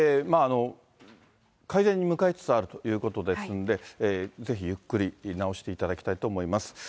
改善に向かいつつあるということですんで、ぜひゆっくり治していただきたいと思います。